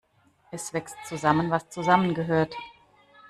Es wächst zusammen, was zusammengehört.